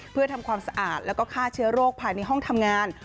เพื่อทำความสะอาดแล้วก็ฆ่าเชื้อโรคภายในห้องทำงาน